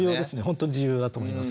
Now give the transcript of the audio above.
本当に重要だと思います。